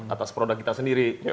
atas produk kita sendiri